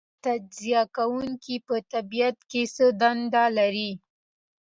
تجزیه کوونکي په طبیعت کې څه دنده لري